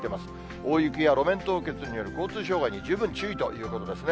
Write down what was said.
大雪や路面凍結による交通障害に十分注意ということですね。